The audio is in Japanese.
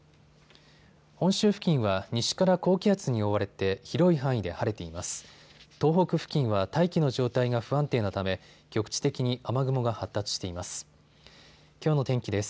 本州付近は西から高気圧に覆われて広い範囲で晴れています。